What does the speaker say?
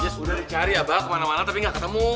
yes udah dicari ya bah kemana mana tapi nggak ketemu